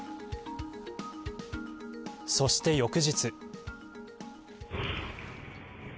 そして、翌日。